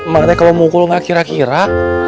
makanya kalau mukul gak kira kira